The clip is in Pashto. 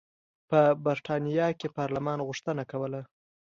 په برېټانیا کې پارلمان غوښتنه کوله.